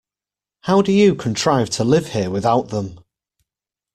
How do you contrive to live here without them?